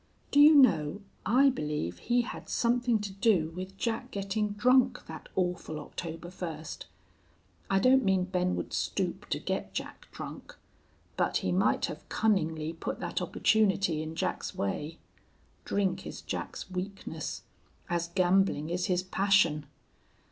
Do you know I believe he had something to do with Jack getting drunk that awful October first. I don't mean Ben would stoop to get Jack drunk. But he might have cunningly put that opportunity in Jack's way. Drink is Jack's weakness, as gambling is his passion.